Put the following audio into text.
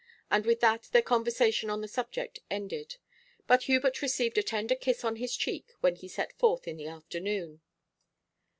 And with that their conversation on the subject ended. But Hubert received a tender kiss on his cheek when he set forth in the afternoon.